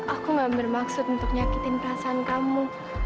aku gak bermaksud untuk nyakitin perasaan kamu